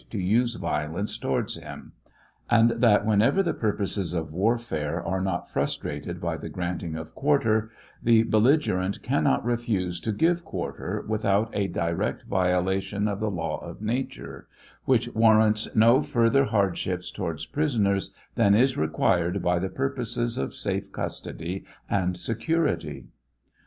to use violence towards him ; and that whenever the purposes of warfare are not frustrated by the granting of quarter, the belligerent cannot refuse to give quarter without a direct violation of the law of nature, which warrants no further hardships towards prisoners than is required by the purposes of safe custody and security.